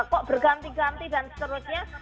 kok berganti ganti dan seterusnya